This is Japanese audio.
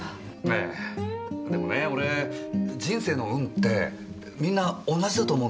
えぇでもね俺人生の運ってみんな同じだと思うんですよ。